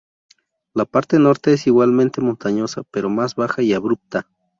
La parte norte es igualmente montañosa, pero más baja y abrupta.